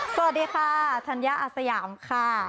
สวัสดีค่ะธัญญาอาสยามค่ะ